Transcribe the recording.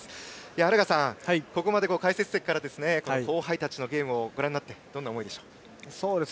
荒賀さん、ここまで解説席から後輩たちのゲームをご覧になってどんな思いでしょう？